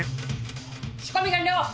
仕込み完了！